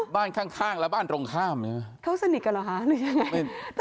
บ้านข้างและบ้านตรงข้ามเนี่ยเขาสนิทกันเหรอคะหรือยังไง